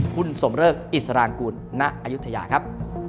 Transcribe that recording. คุณสมเริกอิสรางกุลณอายุทยาครับ